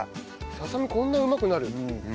ささみこんなうまくなる？